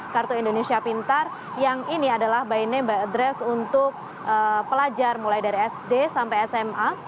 kartu indonesia pintar yang ini adalah by name by address untuk pelajar mulai dari sd sampai sma